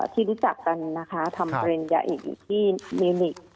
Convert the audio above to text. ที่รู้จักกันนะคะทำเรียนยะอีกที่เมริก